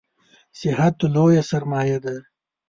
صحت لویه سرمایه ده